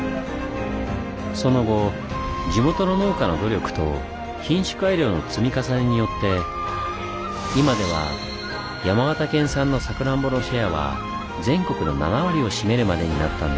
その後地元の農家の努力と品種改良の積み重ねによって今では山形県産のサクランボのシェアは全国の７割を占めるまでになったんです。